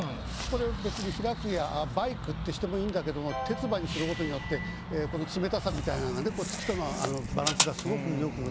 これは別に「開くやバイク」ってしてもいいんだけども「鉄馬」にする事によってこの冷たさみたいなのがね月とのバランスがすごく良く。